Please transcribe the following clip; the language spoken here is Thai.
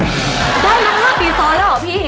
ได้มา๕ปีซ้อนแล้วเหรอพี่